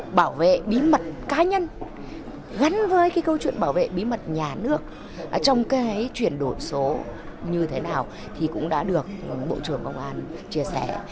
cái bảo vệ bí mật cá nhân gắn với cái câu chuyện bảo vệ bí mật nhà nước trong cái chuyển đổi số như thế nào thì cũng đã được bộ trưởng công an chia sẻ